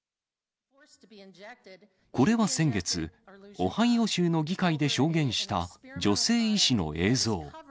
これは先月、オハイオ州の議会で証言した女性医師の映像。